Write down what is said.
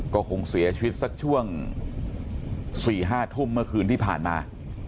ก็คงเสียชีวิตสักช่วง๔๕ทุ่มเมื่อคืนที่ผ่านมา